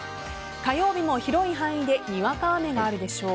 火曜日も広い範囲でにわか雨があるでしょう。